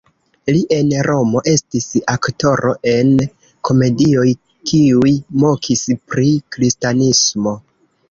Li en Romo estis aktoro en komedioj kiuj mokis pri kristanismo.